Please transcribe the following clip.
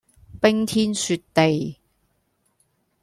冰天雪地